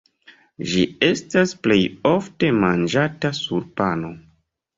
Ĝi estas plej ofte manĝata sur pano.